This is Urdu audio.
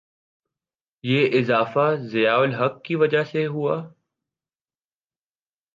یہ اضافہ ضیاء الحق کی وجہ سے ہوا؟